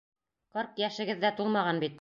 Ҡырҡ йәшегеҙ ҙә тулмаған бит.